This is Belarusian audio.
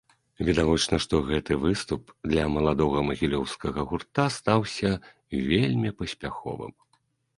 Відавочна, што гэты выступ для маладога магілёўскага гурта стаўся вельмі паспяховым.